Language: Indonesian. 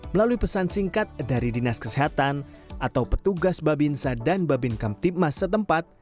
melalui pesan singkat dari dinas kesehatan atau petugas babinsa dan babin kamtipmas setempat